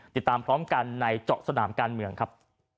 ติดตามพร้อมกันในเจาะสนามการเมืองครับ